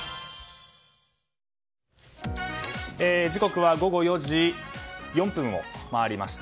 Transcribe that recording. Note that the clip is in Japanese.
時刻は午後４時４分を回りました。